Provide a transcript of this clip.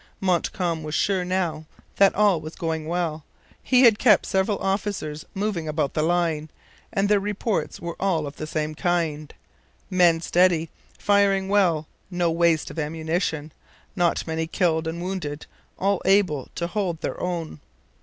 Montcalm was sure now that all was going well. He had kept several officers moving about the line, and their reports were all of the same kind 'men steady, firing well, no waste of ammunition, not many killed and wounded, all able to hold their own.'